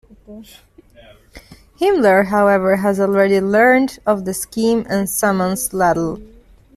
Himmler, however, has already learned of the scheme and summons Radl.